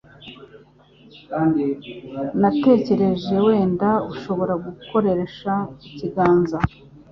Natekereje wenda ushobora gukoresha ikiganza.